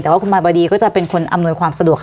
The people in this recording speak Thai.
แต่ว่าคุณมายบดีก็จะเป็นคนอำนวยความสะดวกค่ะ